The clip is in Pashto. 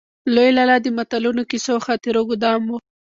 لوی لالا د متلونو، کيسو او خاطرو ګودام و.